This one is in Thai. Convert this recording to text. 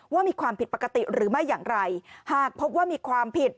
ว่ามีความผิดปกติหรือไม่อย่างไรหากพบว่ามีความผิด